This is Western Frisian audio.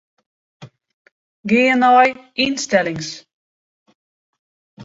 Gean nei ynstellings.